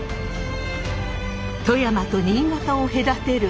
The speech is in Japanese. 富山と新潟を隔てるワケメ。